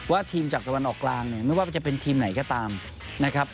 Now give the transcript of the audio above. ทีมจากตะวันออกกลางเนี่ยไม่ว่าจะเป็นทีมไหนก็ตามนะครับ